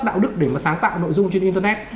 đạo đức để mà sáng tạo nội dung trên internet